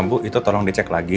bu itu tolong dicek lagi